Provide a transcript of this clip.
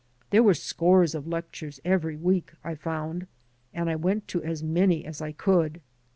There were scores of lectures every week, I foimd, and I went to as many as I could.